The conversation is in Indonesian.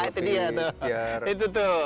itu dia tuh